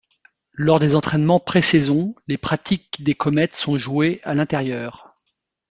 Lors des entrainements pré-saison, les pratiques des Comètes sont jouées à l'intérieur.